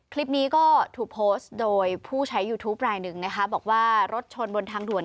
คลิปนี้ก็ถูกโพสต์โดยผู้ใช้ยูทูปรายหนึ่งนะคะบอกว่ารถชนบนทางด่วน